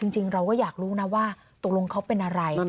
จริงเราก็อยากรู้นะว่าตกลงเขาเป็นอะไร